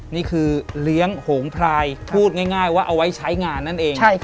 นี่คือเลี้ยงโหงพรายพูดง่ายว่าเอาไว้ใช้งานนั่นเอง